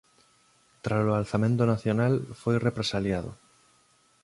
Tralo Alzamento Nacional foi represaliado.